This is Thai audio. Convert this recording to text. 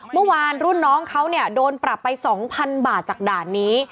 เมื่อวานรุ่นน้องเขาเนี่ยโดนปรับไป๒๐๐๐บาทจากด่านนี้